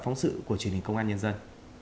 phóng sự của truyền hình công an nhân dân